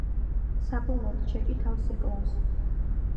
საბოლოოდ ჩეკი თავს იკლავს.